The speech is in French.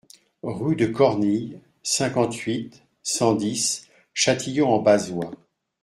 Rue de Cornille, cinquante-huit, cent dix Châtillon-en-Bazois